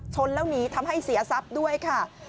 ชนแล้วหนีทำให้เสียทรัพย์ด้วยค่ะ